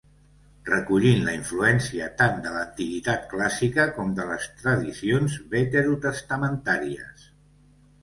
Recollint la influència tant de l'Antiguitat clàssica com de les tradicions veterotestamentàries...